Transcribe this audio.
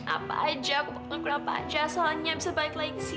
apa aja aku bakal ngelakuin apa aja soalnya bisa balik lagi ke sini